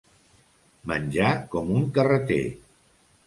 Menjar com un carreter.